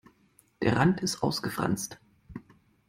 Der Rand ist ausgefranst.